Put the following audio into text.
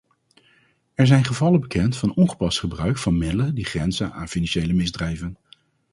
Er zijn gevallen bekend van ongepast gebruik van middelen die grenzen aan financiële misdrijven.